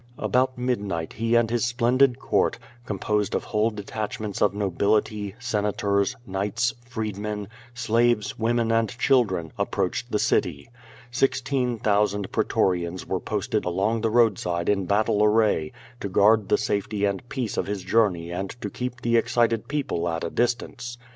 About midnight he and his splendid court, composed of QUO VAX)//?. 341 whole detachments of nobility, senators, knights, freedmen, slaves, women and children, approached the city. Sixteen thousand pretorians were posted along the roadside in battle array, to guard the safety and peace of his journey and to keep the excited people at a distance.